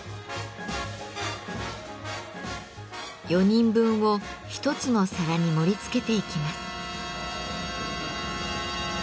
４人分を一つの皿に盛りつけていきます。